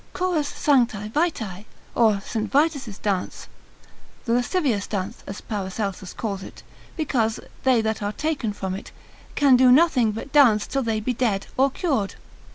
Chorus sancti Viti, or St. Vitus's dance; the lascivious dance, Paracelsus calls it, because they that are taken from it, can do nothing but dance till they be dead, or cured.